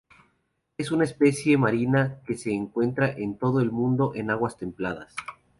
Es una especie marina que se encuentra en todo el mundo en aguas templadas.